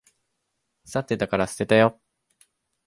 腐ってたから捨てたよ。